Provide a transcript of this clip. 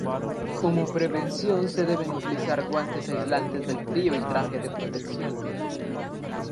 Como prevención se deben utilizar guantes aislantes del frío y traje de protección.